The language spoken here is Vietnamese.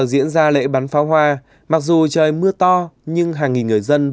và em đến mặc dù trời dưới mưa này